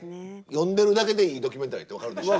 読んでるだけでいいドキュメンタリーって分かるでしょ。